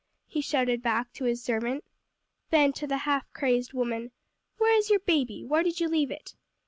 he shouted back to his servant. Then to the half crazed woman, "Where is your baby? where did you leave it?"